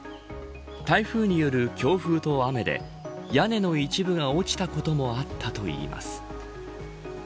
台風による強風と雨で屋根の一部が落ちたこともあったといいます。